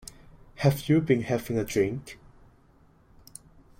Have you been having a drink?